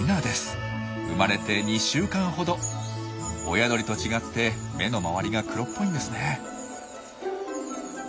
親鳥と違って目の周りが黒っぽいんですね。